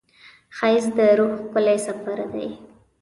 ښایست د روح ښکلی سفر دی